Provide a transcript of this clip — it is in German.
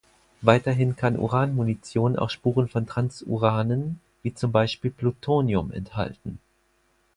Weiterhin kann Uranmunition auch Spuren von Transuranen wie zum Beispiel Plutonium enthalten.